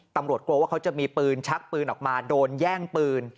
กลัวว่าเขาจะมีปืนชักปืนออกมาโดนแย่งปืน